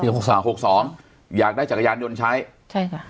ปี๖๒๖๒อยากได้จักรยานยนต์ใช้ใช่ค่ะ